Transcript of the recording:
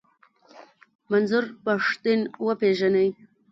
منظور پښتين و پېژنئ.